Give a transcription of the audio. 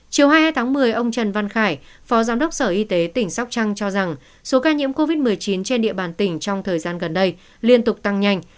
chiều hai mươi hai tháng một mươi ông trần văn khải phó giám đốc sở y tế tỉnh sóc trăng cho rằng số ca nhiễm covid một mươi chín trên địa bàn tỉnh trong thời gian gần đây liên tục tăng nhanh